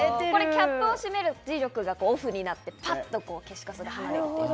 キャップを閉めると磁力がオフになって、パッと消しカスが離れます。